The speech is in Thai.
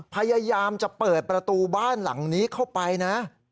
พยายามจะเปิดประตูบ้านหลังนี้เข้าไปนะ